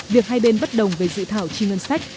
việc hai bên bất đồng về dự thảo chi ngân sách